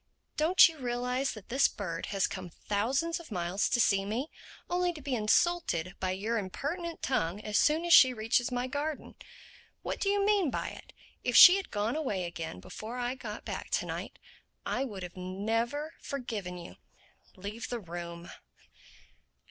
Don't you realize that this bird has come thousands of miles to see me—only to be insulted by your impertinent tongue as soon as she reaches my garden? What do you mean by it?—If she had gone away again before I got back to night I would never have forgiven you—Leave the room."